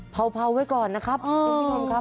เผาไว้ก่อนนะครับคุณผู้ชมครับ